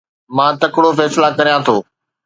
مان تڪڙو فيصلا ڪريان ٿو